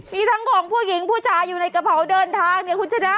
มีทั้งของผู้หญิงผู้ชายอยู่ในกระเป๋าเดินทางเนี่ยคุณชนะ